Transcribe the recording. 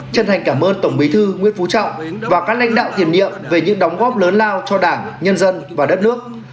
chân thành cảm ơn tổng bí thư nguyễn phú trọng và các lãnh đạo tiền nhiệm về những đóng góp lớn lao cho đảng nhân dân và đất nước